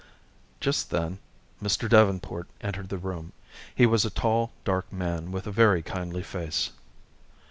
Just then Mr. Davenport entered the room. He was a tall, dark man with a very kindly face.